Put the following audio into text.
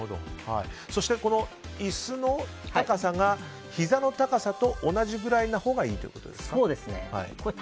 椅子の高さが、ひざの高さと同じくらいのほうがいいということですが。